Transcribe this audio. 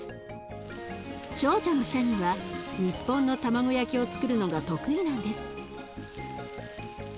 長女のシャニは日本の卵焼きをつくるのが得意なんです。